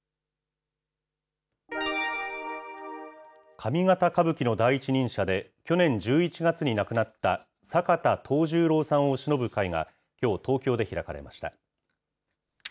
上方歌舞伎の第一人者で、去年１１月に亡くなった坂田藤十郎さんをしのぶ会がきょう、東京で開かれました。